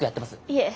いえ。